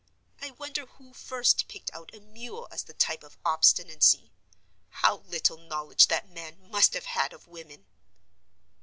I wonder who first picked out a mule as the type of obstinacy? How little knowledge that man must have had of women!